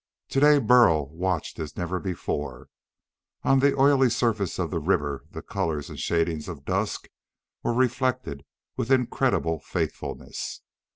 Today Burl watched as never before. On the oily surface of the river the colors and shadings of dusk were reflected with incredible faithfulness.